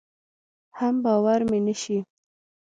حم باور مې نشي.